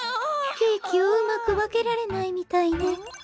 ケーキをうまくわけられないみたいね。